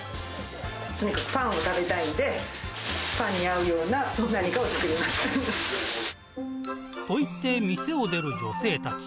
とにかくパンを食べたいんで、と言って、店を出る女性たち。